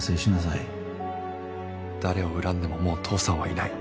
誰を恨んでももう父さんはいない